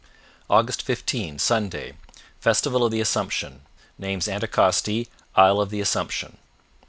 " 15 Sunday Festival of the Assumption. Names Anticosti, Isle of the Assumption.